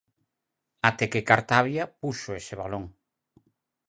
Até que Cartabia puxo ese balón.